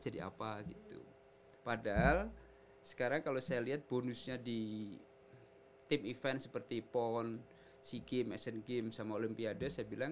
jadi apa gitu padahal sekarang kalau saya lihat bonusnya di tim event seperti pon sea games asian games sama olympiadis dan lain lain